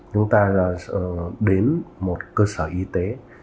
chúng ta đến một cơ sở y tế